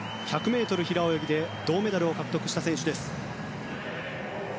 １００ｍ平泳ぎで銅メダルを獲得した選手です。